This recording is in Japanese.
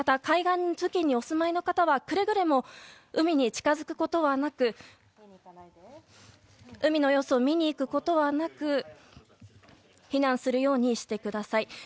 海岸付近にお住まいの方はくれぐれも海に近づくことはなく海の様子を見に行くことはなく避難するようにしてください。